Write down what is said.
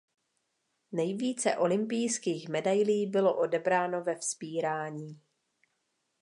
Nejvíce olympijských medailí bylo odebráno ve vzpírání.